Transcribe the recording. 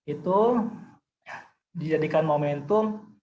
itu dijadikan momentum